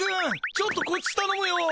ちょっとこっちたのむよ！